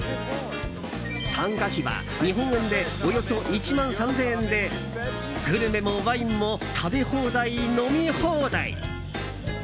参加費は、日本円でおよそ１万３０００円でグルメもワインも食べ放題、飲み放題！